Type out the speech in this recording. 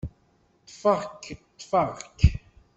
Ṭṭfeɣ-k, ṭṭfeɣ-k.